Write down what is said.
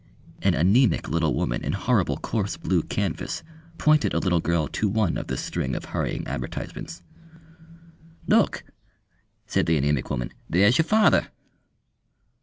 An anæmic little woman in horrible coarse blue canvas pointed a little girl to one of this string of hurrying advertisements. "Look!" said the anæmic woman: "there's yer father."